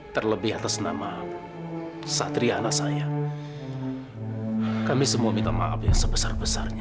terlebih atas nama satria anak saya kami semua minta maaf yang sebesar besarnya